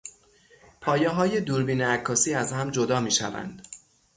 پایههای دوربین عکاسی از هم جدا میشوند.